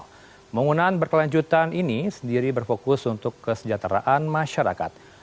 pembangunan berkelanjutan ini sendiri berfokus untuk kesejahteraan masyarakat